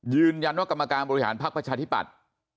ยืนยันว่ากรรมการบริหารภักดิ์ประชาธิปัตย์